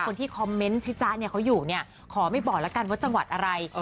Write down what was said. คนที่คอมเมนต์ที่จ๊ะเนี่ยเขาอยู่เนี่ยขอไม่บอกแล้วกันว่าจังหวัดอะไร